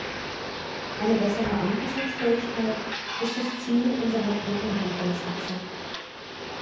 Eine bessere Anpassungsfähigkeit ist das Ziel unserer dritten Handlungsachse.